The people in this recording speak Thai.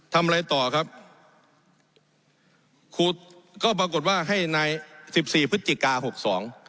ทำอะไรต่อครับขุดก็ปรากฏว่าให้ในสิบสี่พฤศจิกาหกสอง